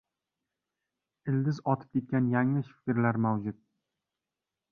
ildiz otib ketgan yanglish fikrlar mavjud.